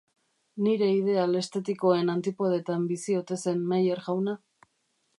Nire ideal estetikoen antipodetan bizi ote zen Meyer jauna?